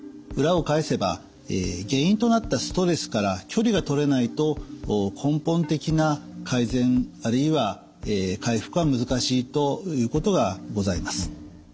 裏を返せば原因となったストレスから距離がとれないと根本的な改善あるいは回復は難しいということがございます。